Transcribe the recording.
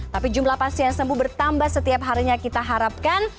tapi jumlah pasien sembuh bertambah setiap harinya kita harapkan